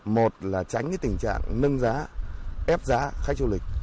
một là tránh cái tình trạng nâng giá ép giá khách du lịch